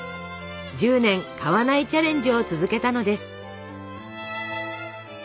１０年買わないチャレンジを続けたのです。